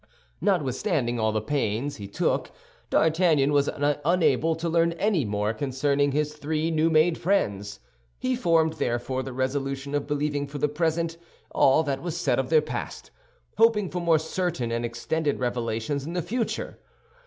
Notwithstanding all the pains he took, D'Artagnan was unable to learn any more concerning his three new made friends. He formed, therefore, the resolution of believing for the present all that was said of their past, hoping for more certain and extended revelations in the future.